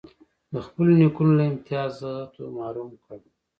د خپلو نیکونو له امتیازاتو محروم کړ.